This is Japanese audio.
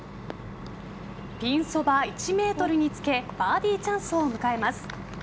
ピンそば１ｍにつけバーディーチャンスを迎えます。